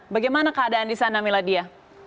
bagaimana keadaan di sana miladia